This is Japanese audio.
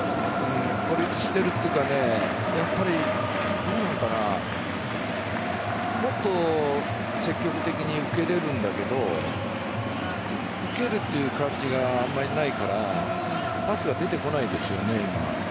孤立しているというかやっぱりもっと積極的に受けれるんだけど受けるという感じがあんまりないからパスが出てこないですよね。